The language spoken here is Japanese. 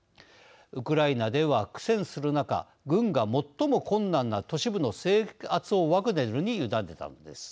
ウクライナでは苦戦する中軍が最も困難な都市部の制圧をワグネルに委ねたのです。